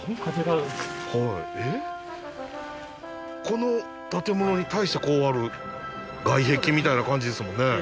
この建物に対してこうある外壁みたいな感じですもんね。